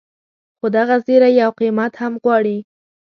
خو دغه زیری یو قیمت هم غواړي.